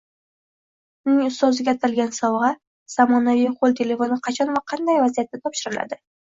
Uning ustoziga atalgan sovgʻa – zamonaviy qoʻl telefoni qachon va qanday vaziyatda topshiriladi?